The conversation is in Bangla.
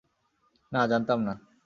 না, জানতাম না।